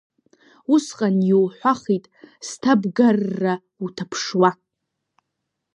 Усҟан иуҳәахит, сҭабгарра уҭаԥшуа…